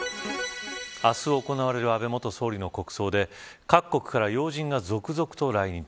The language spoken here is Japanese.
明日行われる安倍元総理の国葬で各国から要人が続々と来日。